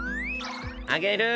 あげる。